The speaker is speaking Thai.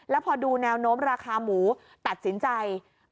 แล้วพอดูแนวโน้มราคาหมูตัดสินใจ